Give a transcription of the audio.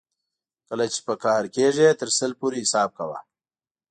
کله چې په قهر کېږې تر سل پورې حساب کوه.